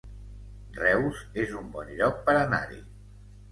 Reus es un bon lloc per anar-hi